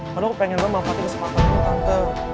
padahal aku pengen banget manfaatin kesempatanmu tante